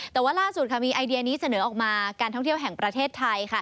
แต่ว่าล่าสุดมีไอเดียนี้เสนอออกมาการท่องเที่ยวแห่งประเทศไทย